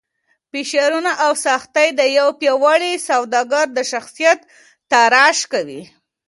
فشارونه او سختۍ د یو پیاوړي سوداګر د شخصیت تراش کوي.